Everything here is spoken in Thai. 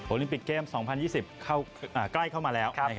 ลิมปิกเกม๒๐๒๐ใกล้เข้ามาแล้ว